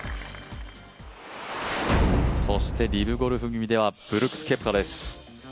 そしてリブゴルフ組ではブルックス・ケプカです。